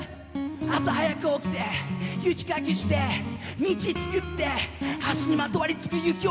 朝早く起きて雪かきして道つくって足にまとわりつく雪を蹴飛ばして。